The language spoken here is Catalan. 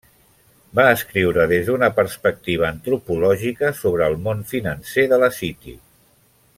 Va escriure des d'una perspectiva antropològica sobre el món financer de la City.